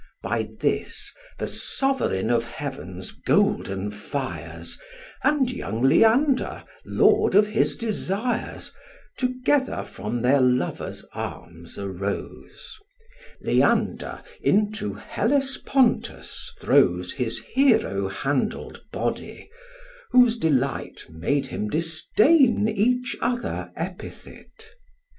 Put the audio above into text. By this, the sovereign of heaven's golden fires, And young Leander, lord of his desires, Together from their lover's arms arose: Leander into Hellespontus throws His Hero handled body, whose delight Made him disdain each other epithite.